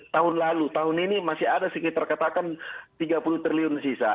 tahun lalu tahun ini masih ada sekitar katakan tiga puluh triliun sisa